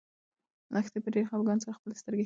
لښتې په ډېر خپګان سره خپلې سترګې ښکته واچولې.